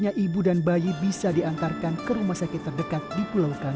yakupkan pemilik dokter yang sudah tracktruck lima ratus an